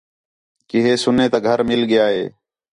کہ ہِے سنّے تا گھر مِل ڳِیا ہِے